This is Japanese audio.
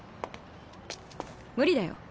無理だよ。